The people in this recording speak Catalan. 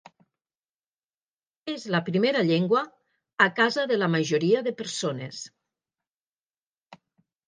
És la primera llengua a casa de la majoria de persones.